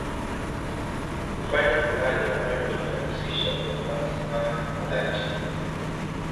Kufanya amani ambayo inahusisha kuomba msamaha wa dhati